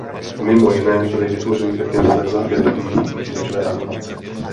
Mimo jiné byly vytvořeny také nové záběry pomocí počítačové animace.